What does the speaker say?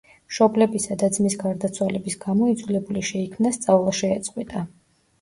მშობლებისა და ძმის გარდაცვალების გამო იძულებული შეიქმნა სწავლა შეეწყვიტა.